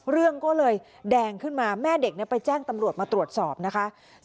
เรื่องก็เลยแดงขึ้นมาแม่เด็กไปแจ้งตำรวจมาตรวจสอบนะคะ